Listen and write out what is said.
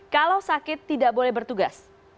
kalau sakit tidak boleh bertugas